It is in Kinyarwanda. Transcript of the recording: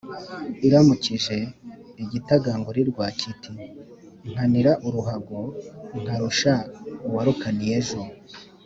iramukije igitagangurirwa kiti «nkanira uruhago nkarusha uwarukaniye ejo